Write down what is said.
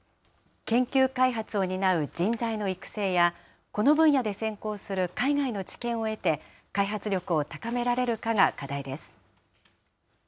研究開発を担う人材の育成や、この分野で先行する海外の知見を得て、開発力を高められるかが課題です。